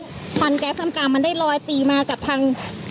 ควันแก๊สทำกลางมันได้ลอยตีมากับทาง